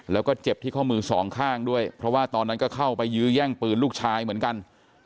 แล้วก็เจ็บที่ข้อมือสองข้างด้วยเพราะว่าตอนนั้นก็เข้าไปยื้อแย่งปืนลูกชายเหมือนกัน